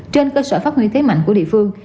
trên cơ sở phát huy thế mạnh của địa phương